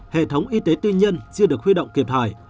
hệ thống y tế tư nhân chưa được huy động kịp thời